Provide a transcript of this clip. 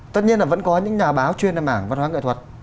tất nhiên là vẫn có những nhà báo chuyên lên mảng văn hóa nghệ thuật